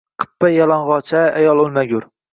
Qippa yalang’och-a, ayol o’lmagur